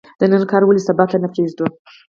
د نن کار ولې سبا ته نه پریږدو؟